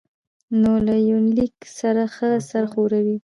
نو له يونليک سره ښه سر خوري